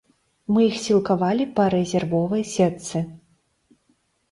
Мы іх сілкавалі па рэзервовай сетцы.